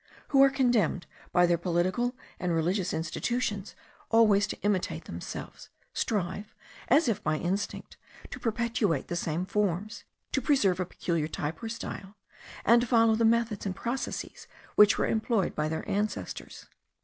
who are condemned by their political and religious institutions always to imitate themselves, strive, as if by instinct, to perpetuate the same forms, to preserve a peculiar type or style, and to follow the methods and processes which were employed by their ancestors.